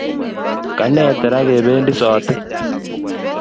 kaneta raa kependi sotik